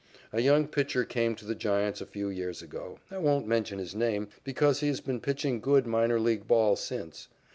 A young pitcher came to the Giants a few years ago. I won't mention his name because he has been pitching good minor league ball since.